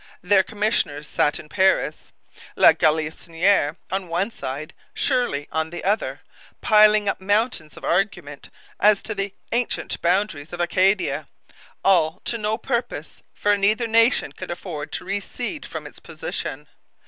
Their commissioners sat in Paris, La Galissoniere on one side, Shirley on the other, piling up mountains of argument as to the 'ancient boundaries' of Acadia. All to no purpose; for neither nation could afford to recede from its position.